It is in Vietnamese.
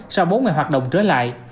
sau bốn ngày hoạt động trở lại